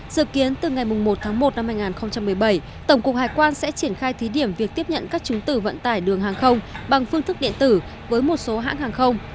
dự kiến từ ngày một tháng một năm hai nghìn một mươi bảy tổng cục hải quan sẽ triển khai thí điểm việc tiếp nhận các chứng tử vận tải đường hàng không bằng phương thức điện tử với một số hãng hàng không